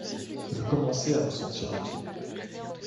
Je commençai à me sentir inquiet.